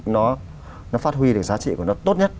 nó phát huy được giá trị của nó tốt nhất